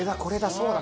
そうだ。